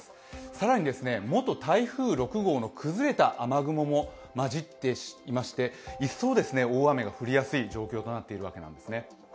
更に、元台風６号の崩れた雨雲も混じっていまして、いっそう大雨が降りやすい状況となっているわけですね。